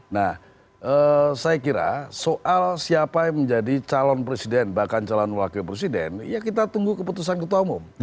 nah saya kira soal siapa yang menjadi calon presiden bahkan calon wakil presiden ya kita tunggu keputusan ketua umum